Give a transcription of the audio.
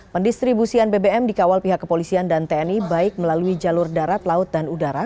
pendistribusian bbm dikawal pihak kepolisian dan tni baik melalui jalur darat laut dan udara